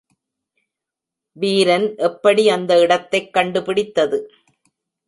வீரன் எப்படி அந்த இடத்தைக் கண்டுபிடித்தது?